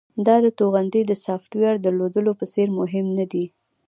دا د توغندي د سافټویر درلودلو په څیر مهم ندی